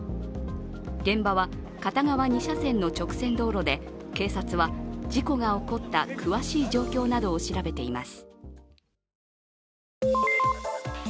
現場は片側２車線の直線道路で、警察は事故が起こった詳しい状況などを調べています。